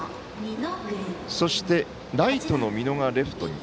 そしてライトの美濃がレフトに。